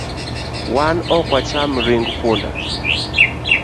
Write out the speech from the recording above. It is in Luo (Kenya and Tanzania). Wan ok wacham ring punda